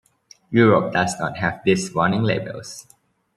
Europe does not have these warning labels.